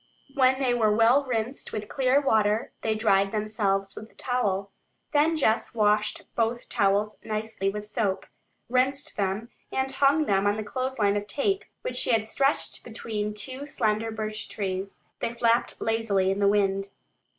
When they were well rinsed with clear water they dried themselves with the towel. Then Jess washed both towels nicely with soap, rinsed them, and hung them on the clothesline of tape, which she had stretched between two slender birch trees. They flapped lazily in the wind.